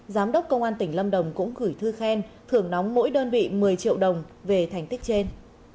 giám đốc công an tỉnh lâm đồng cũng gửi thư khen thưởng nóng mỗi đơn vị một mươi triệu đồng về thành tích trên